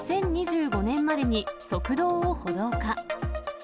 ２０２５年までに、側道を歩道化。